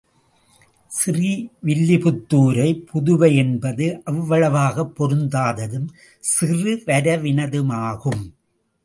ஸ்ரீ வில்லிபுத்தூரைப் புதுவை என்பது அவ்வளவாகப் பொருந்தாததும் சிறுவரவினதுமாகும்.